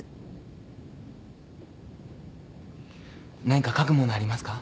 何か書く物ありますか？